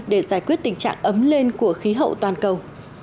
để giải quyết tình trạng ấm lên của khí hậu toàn cầu